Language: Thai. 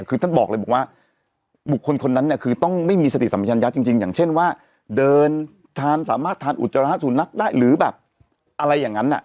คือท่านบอกเลยบอกว่าบุคคลคนนั้นเนี่ยคือต้องไม่มีสติสัมชัญญัติจริงอย่างเช่นว่าเดินทานสามารถทานอุจจาระสุนัขได้หรือแบบอะไรอย่างนั้น